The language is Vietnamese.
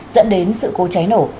dẫn đến sự cố cháy nổ